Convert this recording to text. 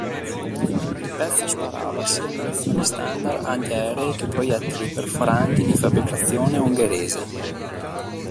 Il pezzo sparava sia munizioni standard antiaeree che proiettili perforanti di fabbricazione ungherese.